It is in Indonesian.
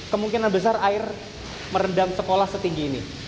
kemungkinan besar air merendam sekolah setinggi ini